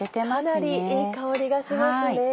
かなりいい香りがしますね。